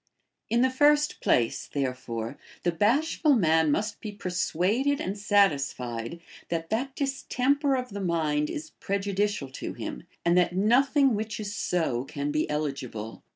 In the first place, therefore, the bashful man must be persuaded and satisfied that that distemper of the mind is prejudicial to him, and that nothing which is so can be eligible.